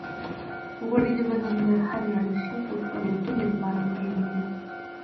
غوړې د بدن د هر اړخیزو فعالیتونو لپاره مهمې دي.